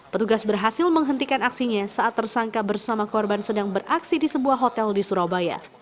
petugas berhasil menghentikan aksinya saat tersangka bersama korban sedang beraksi di sebuah hotel di surabaya